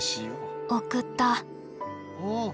送った。